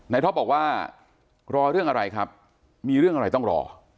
ท็อปบอกว่ารอเรื่องอะไรครับมีเรื่องอะไรต้องรอ